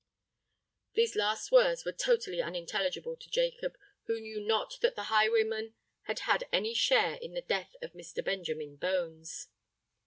These last words were totally unintelligible to Jacob, who knew not that the highwayman had had any share in the death of Mr. Benjamin Bones.